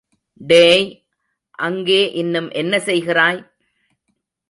டேய், அங்கே இன்னும் என்ன செய்கிறாய்?